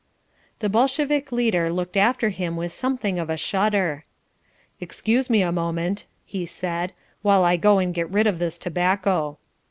The Bolshevik leader looked after him with something of a shudder. "Excuse me a moment," he said, "while I go and get rid of this tobacco."